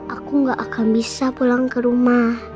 aku gak akan bisa pulang ke rumah